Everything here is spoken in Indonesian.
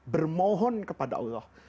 bermohon kepada allah